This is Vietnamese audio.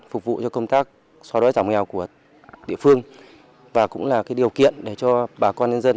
phục vụ cho công tác xóa đoáy giảm nghèo của địa phương và cũng là điều kiện để cho bà con dân